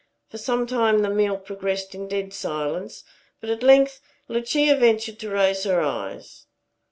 For some time the meal progressed in dead silence; but at length Lucia ventured to raise her eyes.